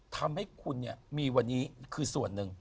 ทำให้คุณเนี่ยมีวันนี้คือส่วนหนึ่ง